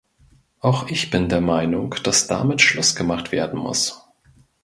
Auch ich bin der Meinung, dass damit Schluss gemacht werden muss.